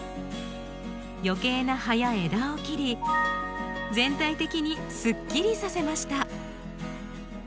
余計な葉や枝を切り全体的にすっきりさせました。